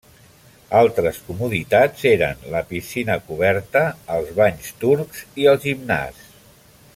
Altres comoditats eren la piscina coberta, els banys turcs i el gimnàs.